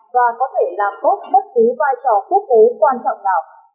và có thể làm tốt bất cứ vai trò quốc tế quan trọng nào